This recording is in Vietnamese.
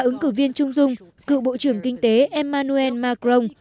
ứng cử viên trung dung cựu bộ trưởng kinh tế emmanuel macron